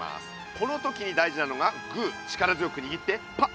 この時に大事なのがグー力強くにぎってパッ！